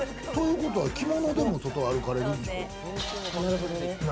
着物でも外歩かれるんちゃう？